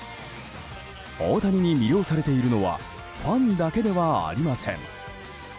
大谷に魅了されているのはファンだけではありません。